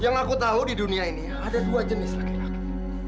yang aku tahu di dunia ini ada dua jenis laki laki